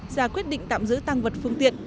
và quyết định tạm giữ tăng vật phương tiện